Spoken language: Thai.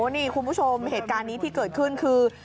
นี่คุณผู้ชมเหตุการณ์นี้ที่เกิดขึ้นคือ